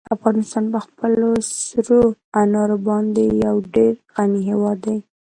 افغانستان په خپلو سرو انارو باندې یو ډېر غني هېواد دی.